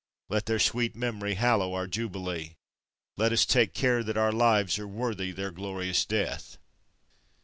Let their sweet memory hallow our jubilee! Let us take care that our lives are worthy their glorious death.